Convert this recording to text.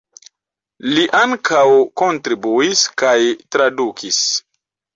Li ankaŭ kontribuis kaj tradukis.